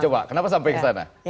coba kenapa sampai kesana